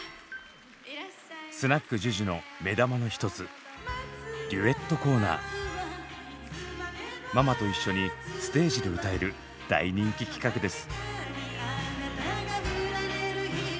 「スナックＪＵＪＵ」の目玉の一つママと一緒にステージで歌える大人気企画です。